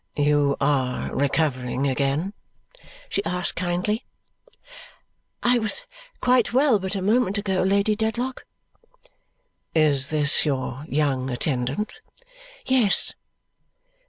"You are recovering again?" she asked kindly. "I was quite well but a moment ago, Lady Dedlock." "Is this your young attendant?" "Yes."